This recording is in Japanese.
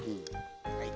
はい。